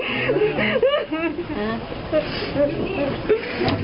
ลูกชายวัย๑๖ขวบบวชหน้าไฟให้กับพุ่งชนจนเสียชีวิตแล้วนะครับ